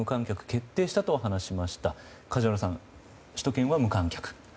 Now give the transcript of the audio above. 梶原さん、首都圏は無観客。